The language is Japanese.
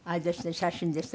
写真ですね